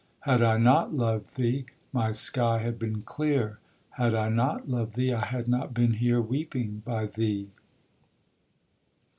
Had I not loved thee, my sky had been clear: Had I not loved thee, I had not been here, Weeping by thee.